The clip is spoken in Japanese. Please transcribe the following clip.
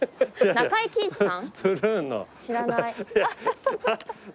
中井貴一さん